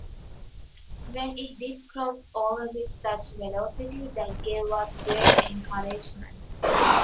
When it did cross over with such velocity that gave us great encouragement.